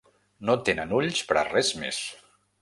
No tenen ulls per a res més.